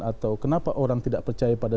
atau kenapa orang tidak percaya pada